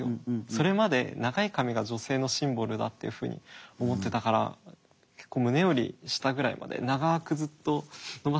それまで長い髪が女性のシンボルだっていうふうに思ってたから結構胸より下ぐらいまで長くずっと伸ばしてて。